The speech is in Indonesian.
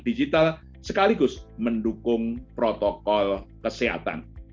digital sekaligus mendukung protokol kesehatan